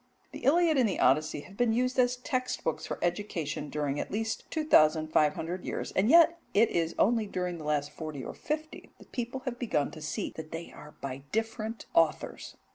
The Iliad and Odyssey have been used as text books for education during at least two thousand five hundred years, and yet it is only during the last forty or fifty that people have begun to see that they are by different authors.